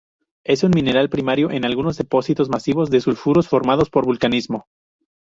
Es un mineral primario en algunos depósitos masivos de sulfuros formados por vulcanismo.